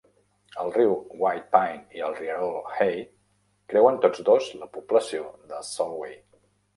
El riu White Pine i el rierol Hay creuen tots dos la població de Solway.